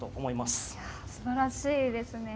すばらしいですね。